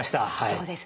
そうですね。